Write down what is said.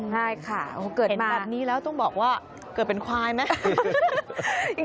ใช่ค่ะเกิดมาแบบนี้แล้วต้องบอกว่าเกิดเป็นควายไหม